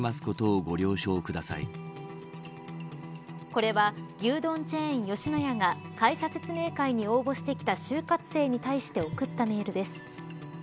これは牛丼チェーン、吉野家が会社説明会に応募してきた就活生に対して送ったメールです。